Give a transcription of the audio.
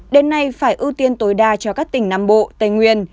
đến nay phải ưu tiên tối đa cho các tỉnh nam bộ tây nguyên